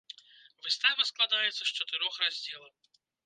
Выстава складаецца з чатырох раздзелаў.